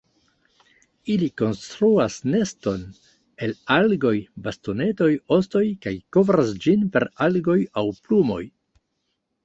Ili konstruas neston el algoj, bastonetoj, ostoj kaj kovras ĝin per algoj aŭ plumoj.